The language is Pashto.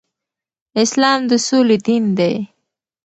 اسلام د سولې دين دی